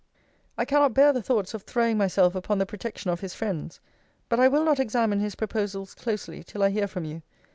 I cannot bear the thoughts of throwing myself upon the protection of his friends: but I will not examine his proposals closely till I hear from you.